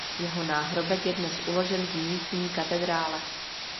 Jeho náhrobek je dnes uložen v místní katedrále.